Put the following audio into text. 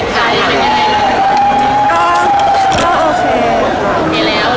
สิ่งหิดขาดอย่างไร